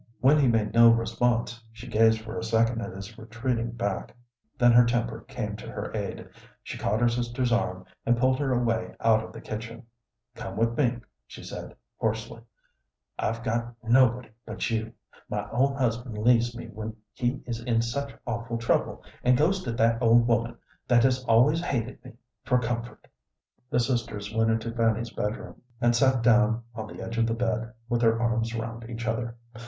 When he made no response, she gazed for a second at his retreating back, then her temper came to her aid. She caught her sister's arm, and pulled her away out of the kitchen. "Come with me," she said, hoarsely. "I've got nobody but you. My own husband leaves me when he is in such awful trouble, and goes to that old woman, that has always hated me, for comfort." The sisters went into Fanny's bedroom, and sat down on the edge of the bed, with their arms round each other.